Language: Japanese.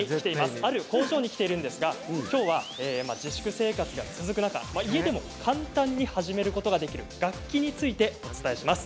ある工場に来ているんですがきょうは自粛生活が続く中家でも簡単に始めることができる楽器についてお伝えします。